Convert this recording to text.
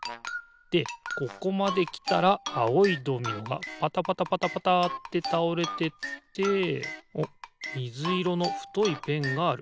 でここまできたらあおいドミノがパタパタパタパタってたおれてっておっみずいろのふといペンがある。